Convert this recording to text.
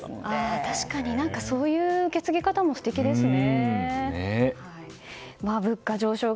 確かに、そういう受け継ぎ方も素敵ですね。